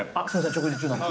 食事中なんで。